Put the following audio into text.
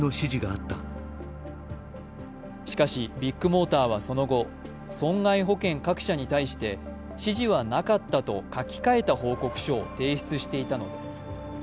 しかしビッグモーターはその後、損害保険各社に対して指示はなかったと書き換えた報告書を提出していたのです。